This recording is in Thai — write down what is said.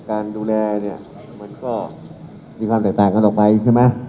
การดูแลเนี่ยมันก็มีความแตกต่างกันออกไปใช่ไหม